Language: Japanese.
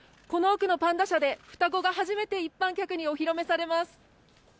この奥のパンダ舎で双子が初めて一般客にお披露目されます。